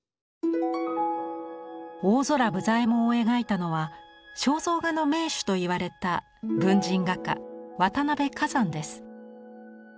大空武左衛門を描いたのは肖像画の名手といわれた文人画家渡辺崋山です。